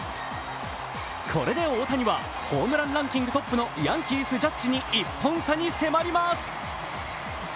これで大谷はホームランランキングトップのヤンキース・ジャッジに１本差に迫ります。